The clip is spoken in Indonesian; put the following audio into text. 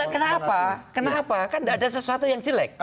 kenapa kenapa kan tidak ada sesuatu yang jelek